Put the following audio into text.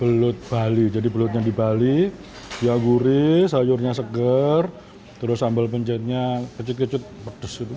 belut bali jadi belutnya di bali dia gurih sayurnya seger terus sambal penjennya kecut kecut pedes gitu